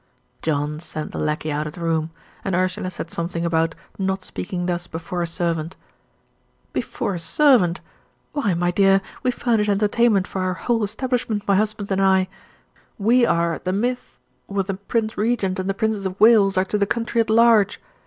John sent the lacquey out of the room; and Ursula said something about "not speaking thus before a servant." "Before a servant! Why, my dear, we furnish entertainment for our whole establishment, my husband and I. We are at the Mythe what the Prince Regent and the Princess of Wales are to the country at large.